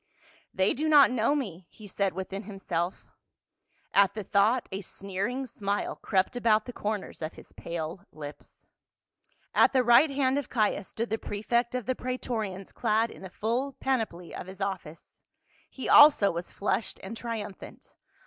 "They do not know me," he said within himself. At the thought a sneering smile crept about the cor ners of his pale lips. At the right hand of Caius stood the prefect of the praetorians clad in the full panoply of his office. He also was flushed and triumphant.